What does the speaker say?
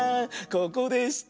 ここでした。